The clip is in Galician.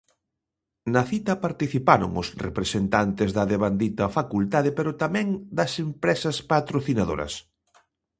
Na cita participaron os representantes da devandita facultade pero tamén das empresas patrocinadoras.